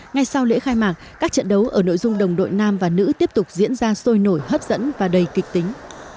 ngay sau lễ khai mạc các trận đấu ở nội dung đồng đội nam và nữ tiếp tục diễn ra sôi nổi hấp dẫn và đầy kịch tính